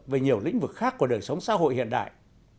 về nhiều lĩnh vực khác của đời sống xã hội hiện đại